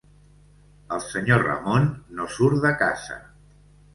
El senyor Ramon no surt de casa.